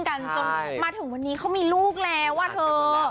กันจนมาถึงวันนี้เขามีลูกแล้วอ่ะเธอ